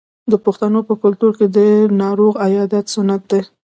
د پښتنو په کلتور کې د ناروغ عیادت سنت دی.